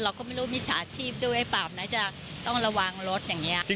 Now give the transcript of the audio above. เราก็ไม่รู้มิจฉาชีพด้วยไอ้ปราบน่าจะต้องระวังรถอย่างนี้